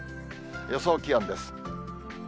予想気温です。